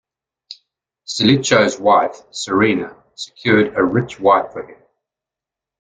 Stilicho's wife, Serena, secured a rich wife for him.